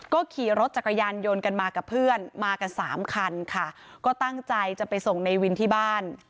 ก็ขี่รถจักรยานยนต์กันมากับเพื่อนมากันสามคันค่ะก็ตั้งใจจะไปส่งในวินที่บ้าน